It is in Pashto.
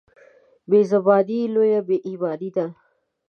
بېزباني لویه بېايماني ده.